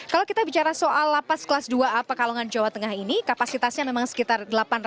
kalau kita bicara soal lapas kelas dua a pekalongan jawa tengah ini kapasitasnya memang sekitar delapan ratus